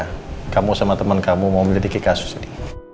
ngomong sama temen kamu mau beli di kk susi